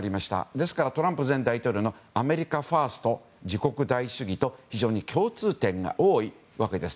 ですから、トランプ前大統領のアメリカファースト自国第一主義と非常に共通点が多いわけです。